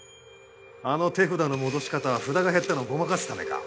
あの手札の戻し方は札が減ったのをごまかすためか。